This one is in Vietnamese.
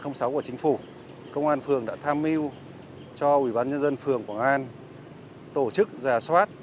theo đề án sáu của chính phủ công an phường đã tham mưu cho ubnd phường quảng an tổ chức giả soát